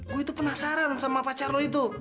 gue itu penasaran sama pacar lo itu